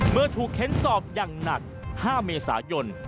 เมื่อถูกเค้นสอบอย่างหนัก๕เมษายน